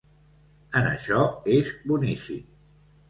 En això és boníssim.